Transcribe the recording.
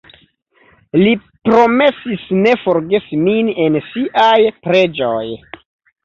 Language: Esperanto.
Li promesis ne forgesi min en siaj preĝoj.